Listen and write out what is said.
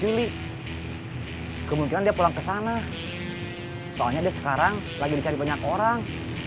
julie kemudian dia pulang kesana soalnya dia sekarang lagi di sini banyak orang